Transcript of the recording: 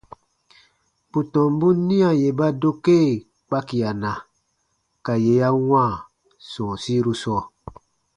Bù tɔmbun nia yè ba dokee kpakiana ka yè ya wãa sɔ̃ɔsiru sɔɔ.